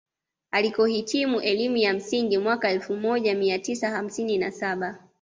Alikohitimu elimu ya msingi mwaka elfu moja mia tisa hamsini na saba